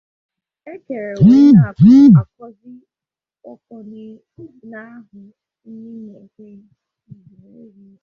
Ekele wee na-akọzị ọkọ n'ahụ onye na-ekwe ya